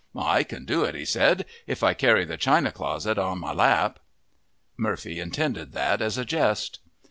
"I can do it," he said, "if I carry the china closet on my lap." Murphy intended that as a jest.